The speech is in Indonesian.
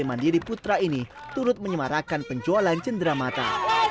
mandiri putra ini turut menyemarakan penjualan cendera mata